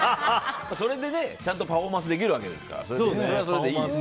それでちゃんとパフォーマンスできるわけですからそれはそれでいいですね。